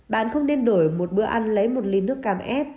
bạn không nên đổi một bữa ăn lấy một ly nước cam ép